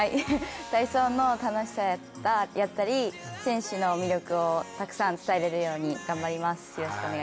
体操の楽しさやったり、選手の魅力をたくさん伝えれるように頑張ります。